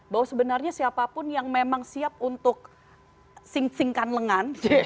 bahwa sebenarnya siapapun yang memang siap untuk sing singkan lengan